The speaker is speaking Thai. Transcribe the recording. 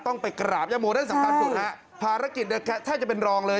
ต้องไปกราบย่าโมได้สำคัญสุดฮะภารกิจแทบจะเป็นรองเลย